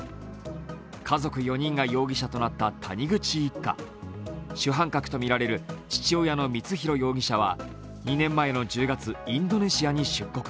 家族４人が容疑者となった谷口一家主犯格とみられる父親の光弘容疑者は２年前の１０月インドネシアに出国。